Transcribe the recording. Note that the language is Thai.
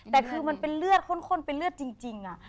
แต่คือมันเป็นเลือดข้นเป็นเลือดจริง